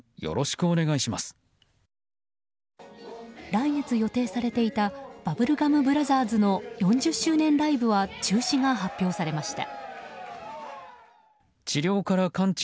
来月予定されていたバブルガム・ブラザーズの４０周年ライブは中止が発表されました。